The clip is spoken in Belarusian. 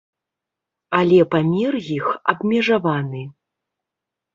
Але памер іх абмежаваны.